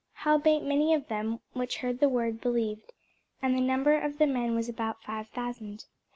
Howbeit many of them which heard the word believed; and the number of the men was about five thousand.